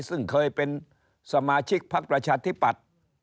ซึ่งเคยเป็นสมาชิกพักประชาธิปัตย์